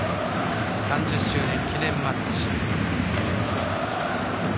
３０周年記念マッチ。